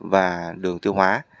và đường tiêu hóa